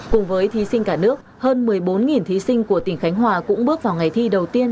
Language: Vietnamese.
cùng với thí sinh cả nước hơn một mươi bốn thí sinh của tỉnh khánh hòa cũng bước vào ngày thi đầu tiên